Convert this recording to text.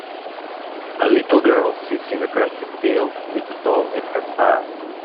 A little girl sits in a grassy field with a doll at her side.